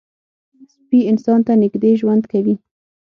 سپي انسان ته نږدې ژوند کوي.